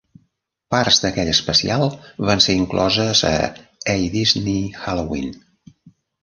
Parts d'aquest especial van ser incloses a "A Disney Halloween".